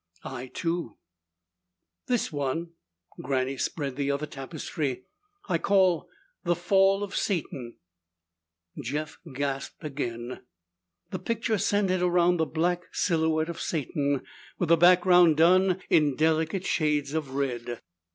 "I, too." "This one," Granny spread the other tapestry, "I call The Fall of Satan." Jeff gasped again. The picture centered around the black silhouette of Satan, with a background done in delicate shades of red.